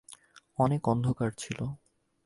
অনেক অন্ধকার ছিল।